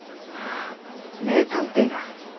名探偵だ。